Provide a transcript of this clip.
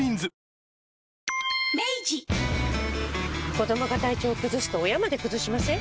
子どもが体調崩すと親まで崩しません？